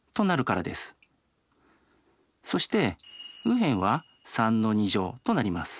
そして右辺は３となります。